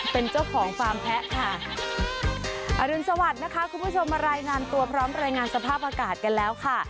เป็นเจ้าของฟาร์มแพ้ค่ะอรุณสวัสดิ์นะคะคุณผู้ชมมารายงานตัวพร้อมรายงานสภาพอากาศกันแล้วค่ะ